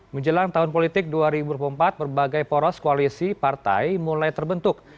menjelang tahun politik dua ribu dua puluh empat berbagai poros koalisi partai mulai terbentuk